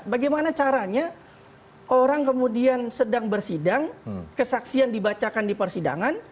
bagaimana caranya orang kemudian sedang bersidang kesaksian dibacakan di persidangan